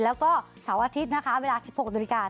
แล้วก็เสาร์อาทิตย์นะคะเวลา๑๖นาฬิกา